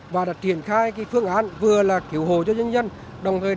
và những phương án ứng phó